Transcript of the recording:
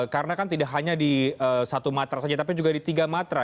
karena kan tidak hanya di satu matra saja tapi juga di tiga matra